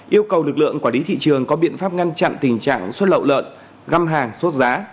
yêu cầu lực lượng quản lý thị trường có biện pháp ngăn chặn tình trạng xuất lậu lợn găm hàng sốt giá